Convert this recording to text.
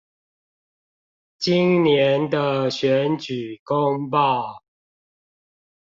今年的選舉公報